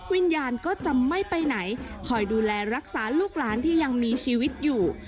วิญญาณก็จะไม่ไปไหนคอยดูแลรักษาลูกหลานที่ยังมีชีวิตอยู่